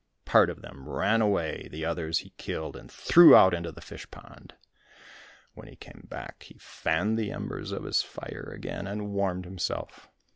Part of them ran away, the others he killed, and threw out into the fish pond. When he came back he fanned the embers of his fire again and warmed himself.